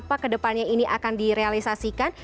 apa kedepannya ini akan direalisasikan